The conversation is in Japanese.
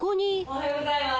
・おはようございます。